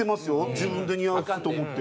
自分で似合う服と思って。